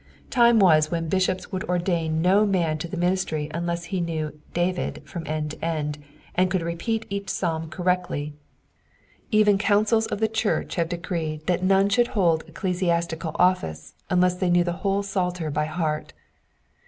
Time was when bishops would ordain no man to the Digitized by VjOOQIC VIU PREFACE. ministry unless he knew "David" from end to end, and could repeat each psalm correctly ; even Councils of the Church have decreed that none should hold ecclesiastical office unless they knew the whole psalter by heart.